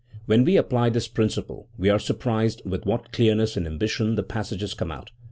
When we apply this principle we are surprised with what clearness and animation the passages come out.